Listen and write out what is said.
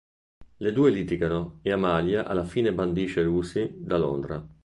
Le due litigano e Amalia alla fine bandisce Lucy da Londra.